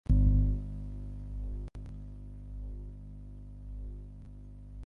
এতে আমি খুব একটা আনন্দ বোধ করছি।